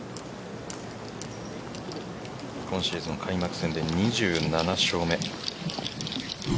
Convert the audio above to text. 今シーズン開幕戦で２７勝目。